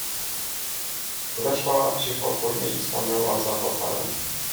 Podeszła cicho ku niej i stanęła za fotelem.